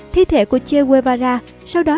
thi thể của che guevara sau đó